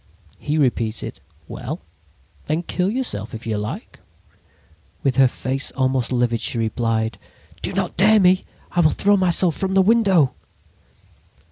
"He repeated: "'Well, then kill yourself if you like!' "With her face almost livid, she replied: "'Do not dare me! I will throw myself from the window!'